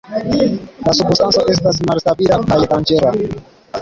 La substanco estas malstabila kaj danĝera.